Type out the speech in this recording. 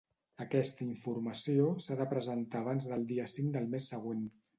Aquesta informació s'ha de presentar abans del dia cinc del mes següent.